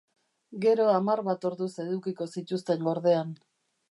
Gero hamar bat orduz edukiko zituzten gordean.